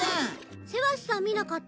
セワシさん見なかった？